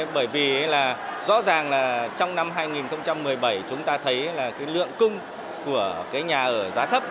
bởi vì rõ ràng trong năm hai nghìn một mươi bảy chúng ta thấy lượng cung của nhà ở giá thấp